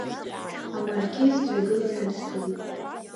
Амаркиз дҩагыланы дцоит.